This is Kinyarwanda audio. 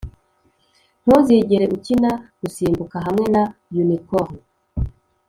ntuzigere ukina gusimbuka hamwe na unicorn